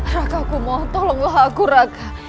raka aku mohon tolonglah aku raka